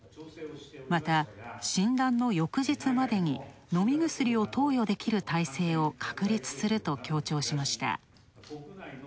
また、診断の翌日までに飲み薬を投与できる体制を確立すると強調しました。